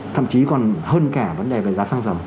thậm chí còn hơn cả vấn đề về giá xăng dầu